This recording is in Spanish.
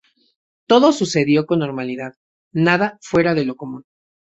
Todo sucedió con normalidad, nada fuera de lo común.